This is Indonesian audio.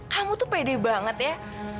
kamu tuh pede banget ya